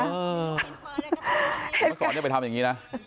มาสอนอย่างนี้ไปทำอย่างนี้นะ